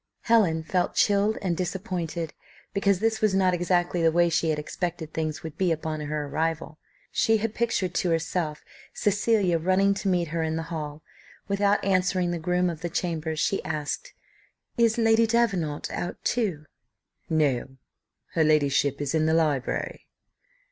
Helen felt chilled and disappointed, because this was not exactly the way she had expected things would be upon her arrival. She had pictured to herself Cecilia running to meet her in the hall. Without answering the groom of the chambers, she asked, "Is Lady Davenant out too?" "No; her ladyship is in the library."